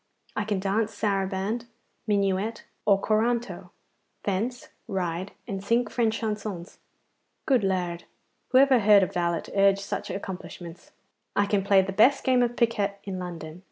I can dance saraband, minuet, or corranto; fence, ride, and sing French chansons. Good Lard! who ever heard a valet urge such accomplishments? I can play the best game of piquet in London.